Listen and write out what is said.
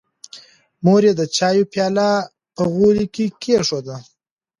مور یې د چایو پیاله پر غولي کېښوده.